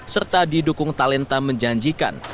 serta didukung talenta menjanjikan